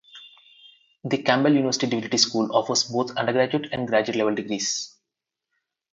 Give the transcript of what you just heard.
The Campbell University Divinity school offers both undergraduate and graduate level degrees.